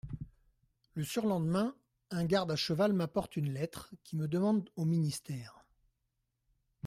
Le surlendemain, un garde à cheval m'apporte une lettre qui me demande au ministère.